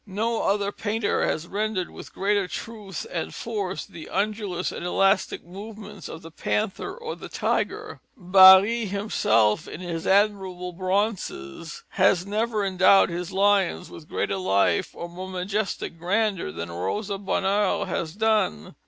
No other painter has rendered with greater truth and force the undulous and elastic movements of the panther or the tiger; Barye himself, in his admirable bronzes, has never endowed his lions with greater life or more majestic grandeur than Rosa Bonheur has done.